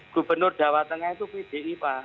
gubernur jawa tengah itu pdi pak